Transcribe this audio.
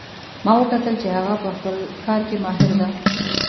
ما وکتل چې هغه په خپل کار کې ماهر ده